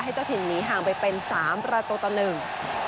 ให้เจ้าถิ่นนี้ห่างไปเป็น๓ประตูต่อหนึ่ง